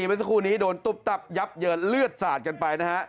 เมื่อสักครู่นี้โดนตุ๊บตับยับเยินเลือดสาดกันไปนะฮะ